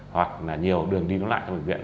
hoặc là nhiều đường đi nối lại trong bệnh viện